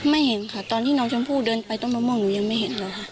ไม่เห็นค่ะตอนที่น้องชมพู่เดินไปต้นมะม่วงหนูยังไม่เห็นเลยค่ะ